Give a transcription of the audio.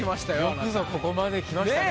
よくぞここまできましたね。